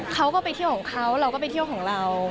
เขาก็ไปเที่ยวของเขาเราก็ไปเที่ยวของเรา